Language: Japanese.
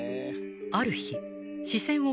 ［ある日］